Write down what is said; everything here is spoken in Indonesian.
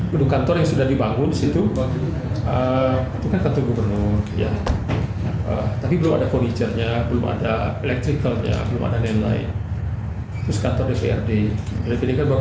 gedung juga harus ditambah